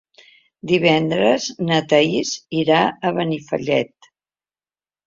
Divendres na Thaís irà a Benifallet.